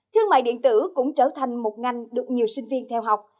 thương mại điện tử cũng trở thành một ngành được nhiều sinh viên theo học